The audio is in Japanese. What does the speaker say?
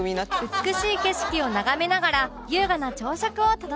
美しい景色を眺めながら優雅な朝食を楽しめます